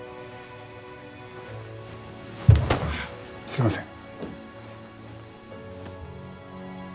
すいません。